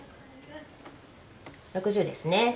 ６０ですね。